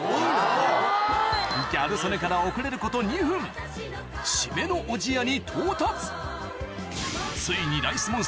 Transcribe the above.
ギャル曽根から遅れること２分締めのおじやに到達ついにすげぇ。